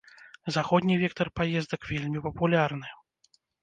Заходні вектар паездак вельмі папулярны.